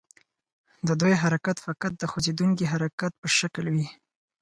د دوی حرکت فقط د خوځیدونکي حرکت په شکل وي.